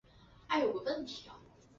县治安东尼。